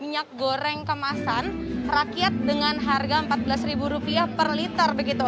minyak goreng kemasan rakyat dengan harga rp empat belas per liter begitu